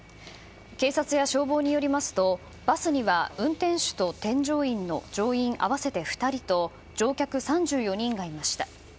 警察や消防によりますとバスには、運転手と添乗員の合わせて２人と乗客３４人がいました。